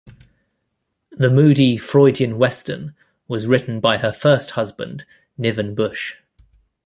The moody "Freudian western" was written by her first husband Niven Busch.